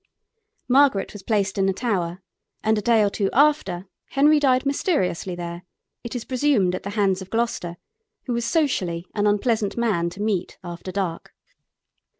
Margaret was placed in the Tower, and a day or two after Henry died mysteriously there, it is presumed at the hands of Gloucester, who was socially an unpleasant man to meet after dark.